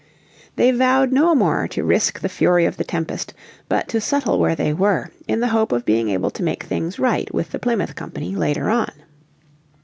They vowed no more to risk the fury of the tempest, but to settle where they were in the hope of being able to make things right with the Plymouth Company later on.